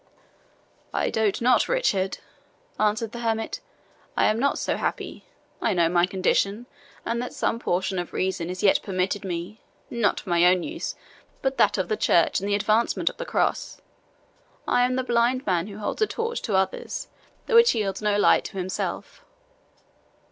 "I dote not, Richard," answered the hermit "I am not so happy. I know my condition, and that some portion of reason is yet permitted me, not for my own use, but that of the Church and the advancement of the Cross. I am the blind man who holds a torch to others, though it yields no light to himself.